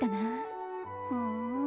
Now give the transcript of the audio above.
ふん。